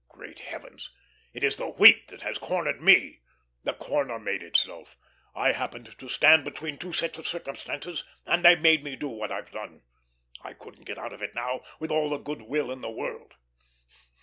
Great heavens, it is the wheat that has cornered me! The corner made itself. I happened to stand between two sets of circumstances, and they made me do what I've done. I couldn't get out of it now, with all the good will in the world.